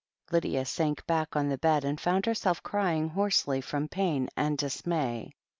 Lydia sank back on the bed, and found herself cry ing hoarsely from pain and dismay.